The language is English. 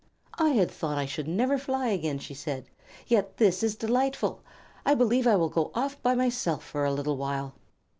"I had thought I should never fly again," she said, "yet this is delightful. I believe I will go off by myself for a little while."